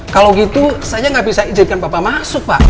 kalau gitu saya nggak bisa izinkan bapak masuk pak